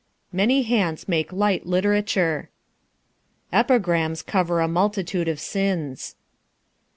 Many hands make light literature. Epigrams cover a multitude of sins.